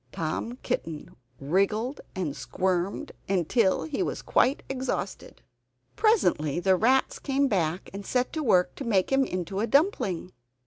Tom Kitten wriggled and squirmed until he was quite exhausted. Presently the rats came back and set to work to make him into a dumpling.